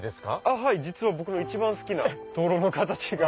はい実は僕の一番好きな燈籠の形が。